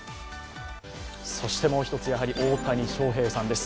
そしてもう１つ、やはり大谷翔平さんです。